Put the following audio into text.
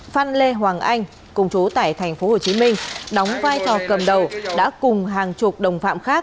phan lê hoàng anh công chú tại tp hcm đóng vai trò cầm đầu đã cùng hàng chục đồng phạm khác